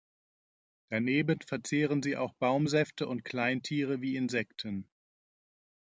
Daneben verzehren sie auch Baumsäfte und Kleintiere wie Insekten.